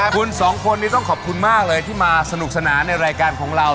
คุณสองคนนี้ต้องขอบคุณมากเลยที่มาสนุกสนานในรายการของเรา